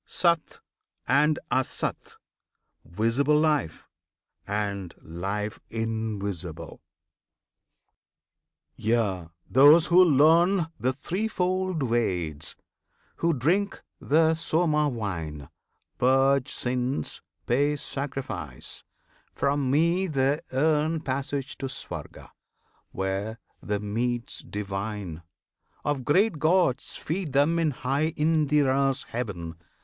SAT and ASAT, Visible Life, And Life Invisible! Yea! those who learn The threefold Veds, who drink the Soma wine, Purge sins, pay sacrifice from Me they earn Passage to Swarga; where the meats divine Of great gods feed them in high Indra's heaven.